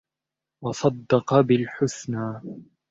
وَصَدَّقَ بِالْحُسْنَى